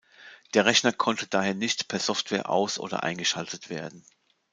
Der Rechner konnte daher nicht per Software aus- oder eingeschaltet werden.